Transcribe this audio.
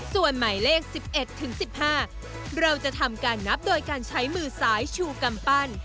ส่วนหมายเลข๑๑ถึง๑๕เราจะทำการนับโดยการใช้มือซ้ายชูกำปั้น